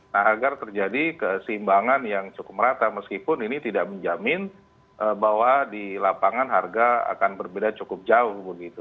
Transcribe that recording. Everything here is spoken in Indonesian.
nah agar terjadi keseimbangan yang cukup merata meskipun ini tidak menjamin bahwa di lapangan harga akan berbeda cukup jauh begitu